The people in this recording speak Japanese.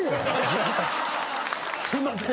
すいません。